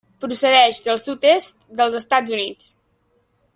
Procedeix del sud-est dels Estats Units.